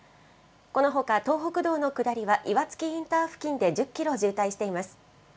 このほか、東北道の下りは、岩槻インター付近で１０キロ渋滞しています。